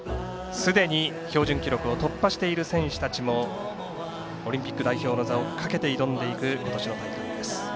すでに標準記録を突破している選手たちもオリンピック代表の座をかけて挑んでいく今年の大会です。